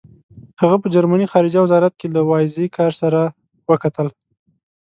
هغه په جرمني خارجه وزارت کې له وایزیکر سره وکتل.